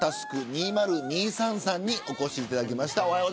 ２０２３さんにお越しいただきました。